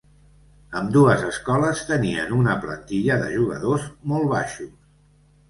Ambdues escoles tenien una plantilla de jugadors molt baixos.